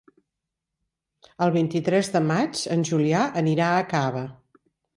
El vint-i-tres de maig en Julià anirà a Cava.